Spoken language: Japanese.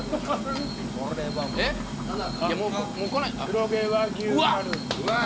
黒毛和牛カルビ。わ！